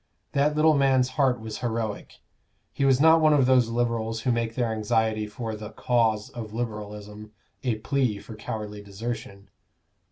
That little man's heart was heroic; he was not one of those Liberals who make their anxiety for "the cause" of Liberalism a plea for cowardly desertion.